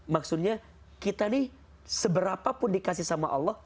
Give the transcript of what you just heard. maksudnya kita nih seberapa pun dikasih sama allah